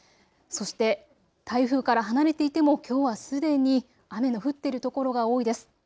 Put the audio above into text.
そして台風から離れていてもきょうはすでに雨の降っている所が多いです。